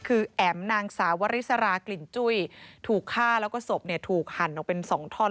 คือแอ๋มนางสาววริสรากลิ่นจุ้ยถูกฆ่าแล้วก็ศพเนี่ยถูกหั่นออกเป็น๒ท่อน